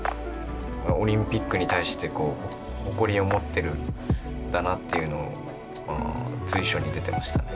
オリンピックに対して誇りを持っているんだなっていうのが随所に出てましたね。